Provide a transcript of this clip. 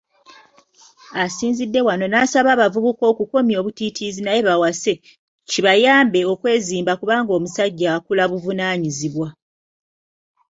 Asinzidde wano n'asaba abavubuka okukomya obutiitiizi naye bawase, kibayambe okwezimba kubanga omusajja akula buvunaanyizibwa.